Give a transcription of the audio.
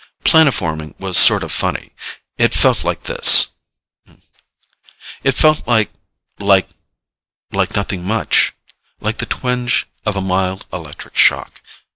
Planoforming was sort of funny. It felt like like Like nothing much. Like the twinge of a mild electric shock.